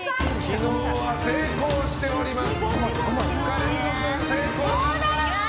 昨日は成功しております。